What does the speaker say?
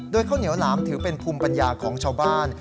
โดยข้าวเหนียวหลามถือเป็นภูมิปัญญาของชาวบ้าน